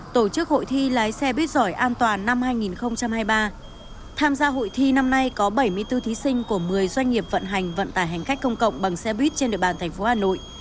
tổ chức hội thi lái xe buýt giỏi an toàn năm hai nghìn hai mươi ba tham gia hội thi năm nay có bảy mươi bốn thí sinh của một mươi doanh nghiệp vận hành vận tải hành khách công cộng bằng xe buýt trên địa bàn thành phố hà nội